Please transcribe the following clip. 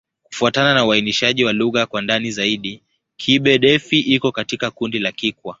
Kufuatana na uainishaji wa lugha kwa ndani zaidi, Kigbe-Defi iko katika kundi la Kikwa.